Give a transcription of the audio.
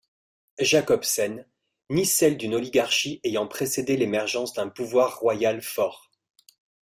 Jacobsen, ni celle d'une oligarchie ayant précédé l'émergence d'un pouvoir royal fort.